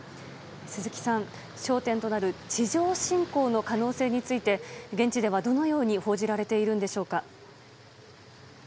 鈴木さん、焦点となる地上侵攻の可能性について現地ではどのように報じられているんでしょうか。